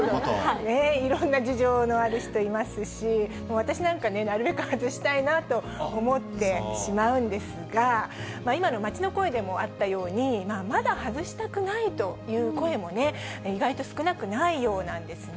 いろんな事情のある人、いますし、私なんかね、なるべく外したいなと思ってしまうんですが、今の街の声でもあったように、まだ外したくないという声もね、意外と少なくないようなんですね。